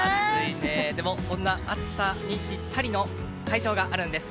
でもそんな暑さにぴったりの会場があるんです。